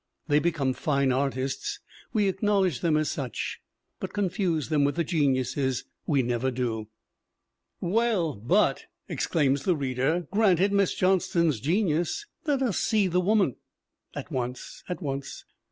They be come fine artists, we acknowledge them as such; but confuse them with the geniuses we never do! Well, but ! exclaims the reader, granted Miss John ston's genius, let us see the woman ! At once, at once